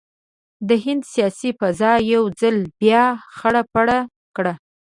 د هند سیاسي فضا یو ځل بیا خړه پړه کړه.